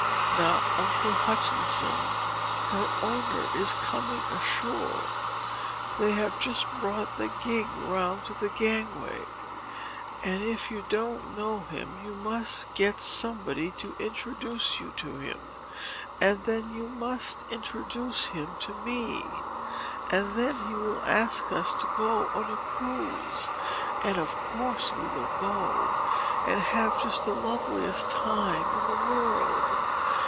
"Now, Uncle Hutchinson, her owner is coming ashore they have just brought the gig round to the gangway and if you don't know him you must get somebody to introduce you to him; and then you must introduce him to me; and then he will ask us to go on a cruise; and of course we will go, and have just the loveliest time in the world.